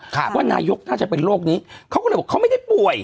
ว่านายกน่าจะเป็นโรคนี้เขาก็เลยบอกเขาไม่ได้ป่วย